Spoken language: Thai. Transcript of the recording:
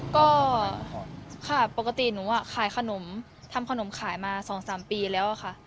ก็ค่ะปกติหนูขายขนมทำขนมขายมา๒๓ปีแล้วค่ะ